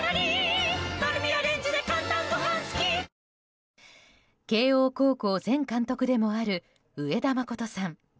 ニトリ慶応高校前監督でもある上田誠さん。